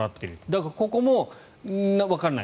だから、ここもわからない。